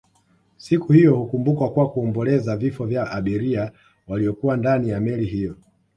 Siku hiyo hukumbukwa kwa kuomboleza vifo vya abiria waliokuwa ndani ya meli hiyo